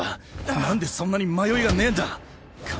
なんでそんなに迷いがねえんだ！